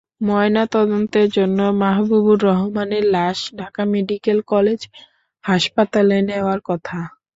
ময়নাতদন্তের জন্য মাহবুবুর রহমানের লাশ ঢাকা মেডিকেল কলেজ হাসপাতালে নেওয়ার কথা।